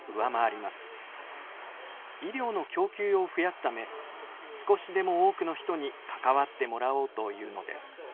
医療の供給を増やすため少しでも多くの人に関わってもらおうというのです。